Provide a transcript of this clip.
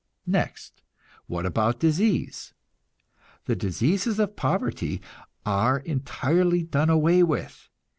Next, what about disease? The diseases of poverty are entirely done away with.